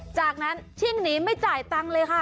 จากนั้นชิ่งหนีไม่จ่ายตังค์เลยค่ะ